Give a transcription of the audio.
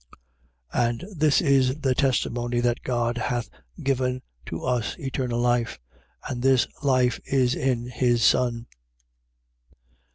And this is the testimony that God hath given to us eternal life. And this life is in his Son.